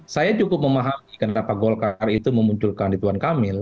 saya cukup memahami kenapa golkar itu memunculkan rituan kamil